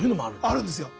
あるんですよ。